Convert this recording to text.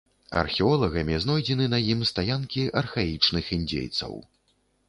Археолагамі знойдзены на ім стаянкі архаічных індзейцаў.